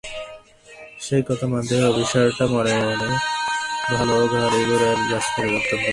সে কথা মানতেই হয়– অভিসারটা মনে মনেই ভালো, গাড়ি-ঘোড়ার রাস্তায় অত্যন্ত বেমানান।